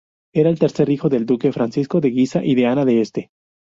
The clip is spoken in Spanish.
Era el tercer hijo del duque Francisco de Guisa y de Ana de Este.